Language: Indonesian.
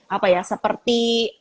apa ya seperti